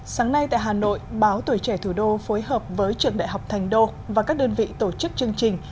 sáng nay tại hà nội báo tuổi trẻ thủ đô phối hợp với trường đại học thành đô và các đơn vị tổ chức chương trình